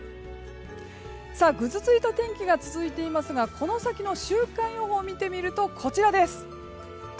ぐずついた天気が続いていますがこの先の週間予報を見てみるとこちらです。